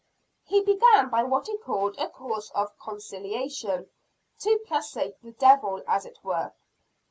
He began by what he called a course of conciliation to placate the devil, as it were.